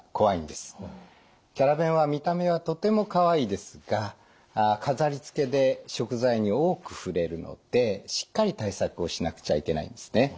キャラ弁や見た目はとてもかわいいですが飾りつけで食材に多く触れるのでしっかり対策をしなくちゃいけないんですね。